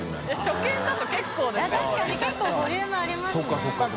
確かに結構ボリュームありますね。